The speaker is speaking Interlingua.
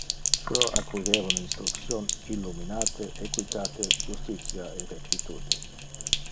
Pro acquirer un instruction illuminate, equitate, justitia e rectitude.